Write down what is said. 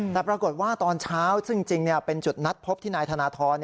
แต่ปรากฏว่าตอนเช้าซึ่งจริงเป็นจุดนัดพบที่นายธนทร